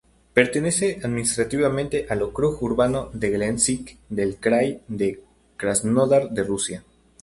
Pertenece administrativamente al ókrug urbano de Gelendzhik del krai de Krasnodar de Rusia.